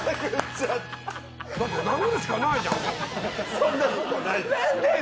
そんなことないですよ。